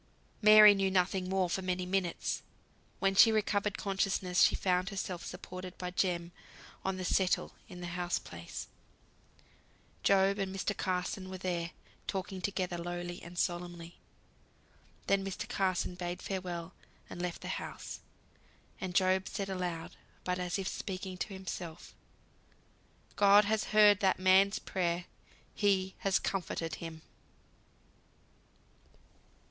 Mary knew nothing more for many minutes. When she recovered consciousness, she found herself supported by Jem on the "settle" in the house place. Job and Mr. Carson were there, talking together lowly and solemnly. Then Mr. Carson bade farewell and left the house; and Job said aloud, but as if speaking to himself, "God has heard that man's prayer. He has comforted him."